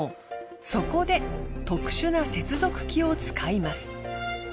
そこで特殊な接続機を使います。